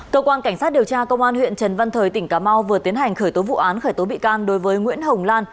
cơ quan cảnh sát điều tra công an huyện trần văn thời tỉnh cà mau vừa tiến hành khởi tố vụ án khởi tố bị can đối với nguyễn hồng lan